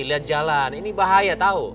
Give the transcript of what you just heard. lihat jalan ini bahaya tahu